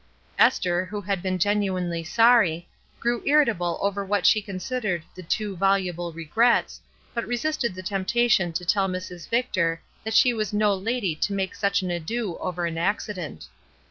Esther, who had been genuinely sorry, grew irritable over what she considered the too voluble regrets, but resisted the temptation to tell Mrs. Victor that she was no lady to make such an ado over an accident.